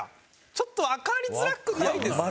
ちょっとわかりづらくないですか？